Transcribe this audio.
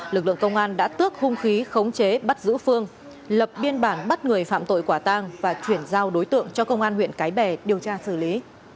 lực lượng công an đã tước hung khí khống chế bắt giữ phương lập biên bản bắt người phạm tội quả tang và chuyển giao đối tượng cho công an huyện cái bè điều tra xử lý